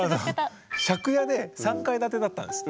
借家で３階建てだったんです。